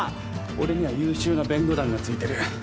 俺には優秀な弁護団がついてる。